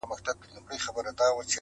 څلورمه هغه آش هغه کاسه وه!!